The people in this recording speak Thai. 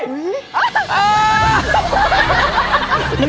โลศตร์ถึงน้า